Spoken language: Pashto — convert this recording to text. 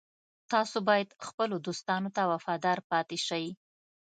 تاسو باید خپلو دوستانو ته وفادار پاتې شئ